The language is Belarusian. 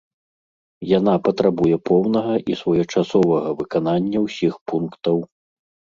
Яна патрабуе поўнага і своечасовага выканання ўсіх пунктаў.